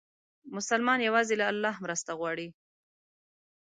مسلمان یوازې له الله مرسته غواړي.